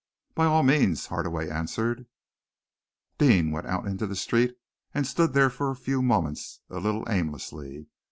"By all means," Hardaway answered. Deane went out into the street, and stood there for a few moments a little aimlessly.